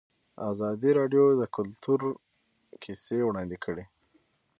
ازادي راډیو د کلتور کیسې وړاندې کړي.